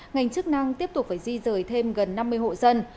ngành chức năng tiếp tục phải di rời thêm gần năm mươi hộ dân